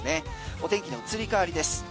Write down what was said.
お天気の移り変わりです。